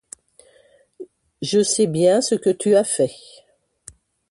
Je sais bien ce que tu as fait !